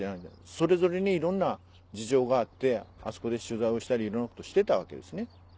それぞれにいろんな事情があってあそこで取材をしたりいろんなことしてたわけですね。